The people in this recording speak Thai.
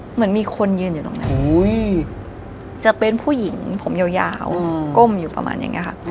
เหมือนมีคนยืนอยู่ตรงนั้นจะเป็นผู้หญิงผมยาวก้มอยู่ประมาณอย่างนี้ค่ะ